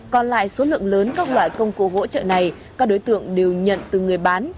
còn lại số lượng lớn các loại công cụ hỗ trợ này các đối tượng đều nhận từ người bán